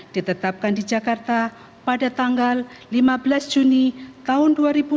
ditetapkan di jakarta pada tanggal lima belas juni tahun dua ribu dua puluh